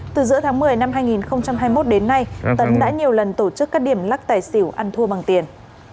từ giữa tháng một mươi năm hai nghìn hai mươi một đến nay tấn đã nhiều lần tổ chức các điểm lắc tài xỉu ăn thua bằng tiền